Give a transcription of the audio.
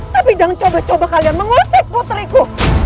tapi jangan coba coba kalian mengusik putriku